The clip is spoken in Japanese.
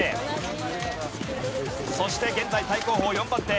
そして現在最後方４番手。